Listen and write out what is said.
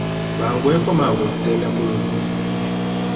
Banguweko mangu okugenda ku luzzi.